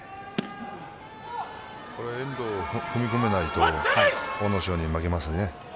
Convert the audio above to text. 遠藤、踏み込めないと阿武咲に負けますね。